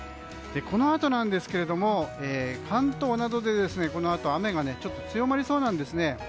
このあとですが関東などで雨がちょっと強まりそうなんですね。